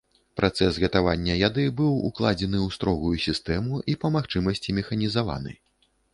Працэс гатавання яды быў укладзены ў строгую сістэму і па магчымасці механізаваны.